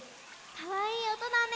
かわいいおとだね。